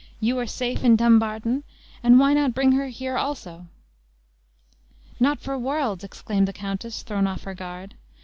you are safe in Dumbarton, and why not bring her here also?" "Not for worlds!" exclaimed the countess, thrown off her guard.